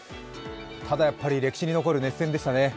ただやっぱり歴史に残る熱戦でしたね。